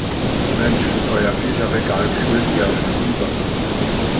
Mensch, euer Bücherregal quillt ja schon über.